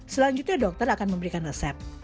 selanjutnya dokter akan memberikan resep